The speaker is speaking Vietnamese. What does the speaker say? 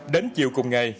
đến chiều cùng ngày